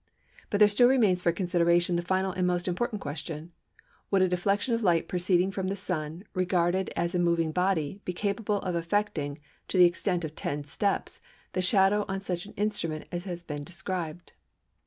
But there still remains for consideration the final and most important question, "Would a deflection of light proceeding from the Sun, regarded as a moving body, be capable of affecting, to the extent of 'ten steps,' the shadow on such an instrument as has been described?"